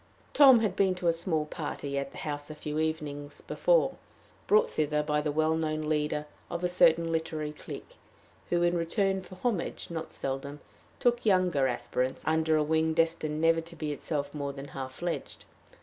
Tom had been to a small party at the house a few evenings before, brought thither by the well known leader of a certain literary clique, who, in return for homage, not seldom, took younger aspirants under a wing destined never to be itself more than half fledged.